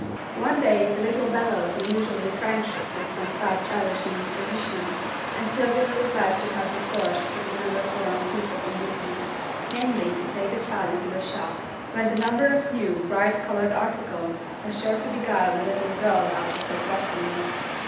One day the little Bella was unusually fractious with some slight childish indisposition, and Sylvia was obliged to have recourse to a never failing piece of amusement; namely, to take the child into the shop, when the number of new, bright coloured articles was sure to beguile the little girl out of her fretfulness.